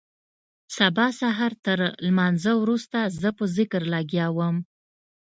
سبا سهارتر لمانځه وروسته زه په ذکر لگيا وم.